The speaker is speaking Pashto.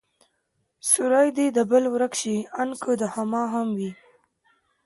سيورى دي د بل ورک شي، آن که د هما هم وي